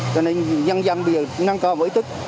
cho nên nhân dân bây giờ nâng cao với ý tức